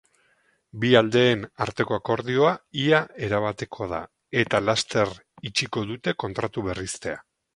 Bi aldeen arteko akordioa ia erabatekoa da, eta laster itxiko dute kontratu-berriztea.